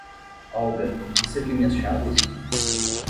Olga, você viu minhas chaves?